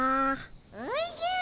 おじゃ。